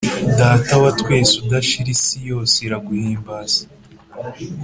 Data wa twese udashira isi yose iraguhimbaza